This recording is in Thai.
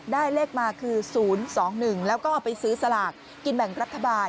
ได้เลขมาคือ๐๒๑แล้วก็เอาไปซื้อสลากกินแบ่งรัฐบาล